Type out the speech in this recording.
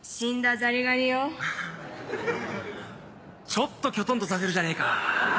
ちょっとキョトンとさせるじゃねえか。